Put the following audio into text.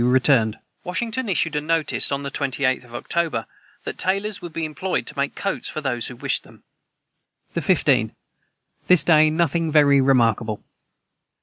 ] [Footnote 194: Washington issued a notice, on the 28th of October, that tailors would be employed to make coats for those who wished them.] the 15. This day nothing very remarkable.